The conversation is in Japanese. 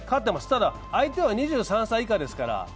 ただ、相手は２３歳以下ですから。